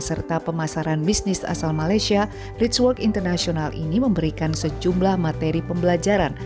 serta pemasaran bisnis asal malaysia richwork international ini memberikan sejumlah materi pembelajaran